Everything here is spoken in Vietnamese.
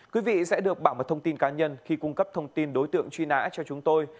quý vị sẽ được bảo mật thông tin cá nhân khi cung cấp thông tin đối tượng truy nã cho chúng tôi